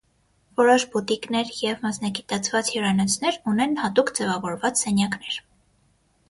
Որոշ բուտիկներ և մասնագիտացված հյուրանոցներ ունեն հատուկ ձևավորված սենյակներ։